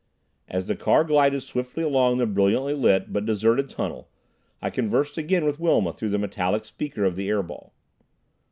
As the car glided swiftly along the brilliantly lit but deserted tunnel I conversed again with Wilma through the metallic speaker of the air ball.